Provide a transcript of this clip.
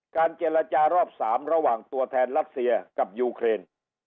เจรจารอบ๓ระหว่างตัวแทนรัสเซียกับยูเครน